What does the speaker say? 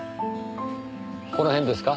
この辺ですか？